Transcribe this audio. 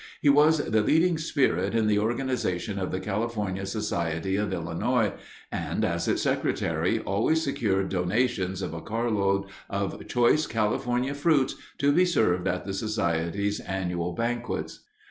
He was the leading spirit in the organization of the California Society of Illinois and, as its secretary, always secured donations of a carload of choice California fruits to be served at the Society's annual banquets.